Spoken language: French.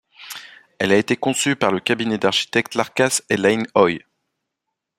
Elle a été conçue par le cabinet d'architectes Larkas & Laine Oy.